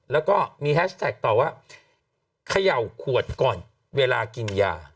แล้วก็มีแฮชแท็กต่อว่าเขย่าขวดก่อนเวลากินยา